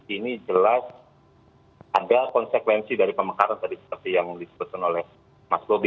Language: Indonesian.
ini jelas ada konsekuensi dari pemekaran tadi seperti yang disebutkan oleh mas bobi